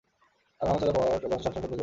আর ভাঙ্গাচোরা ইট পাথর সবসময় সৌন্দর্য বাড়ায়।